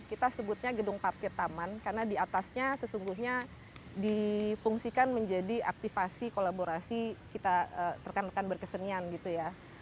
kita sebutnya gedung parkir taman karena diatasnya sesungguhnya difungsikan menjadi aktifasi kolaborasi kita rekan rekan berkesenian gitu ya